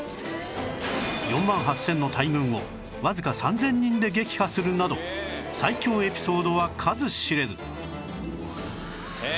４万８０００の大軍をわずか３０００人で撃破するなど最強エピソードは数知れず